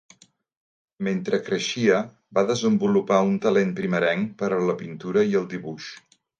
Mentre creixia, va desenvolupar un talent primerenc per a la pintura i el dibuix.